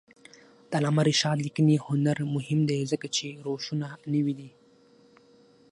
د علامه رشاد لیکنی هنر مهم دی ځکه چې روشونه نوي دي.